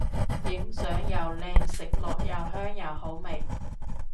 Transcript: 影相又靚食落又香又好味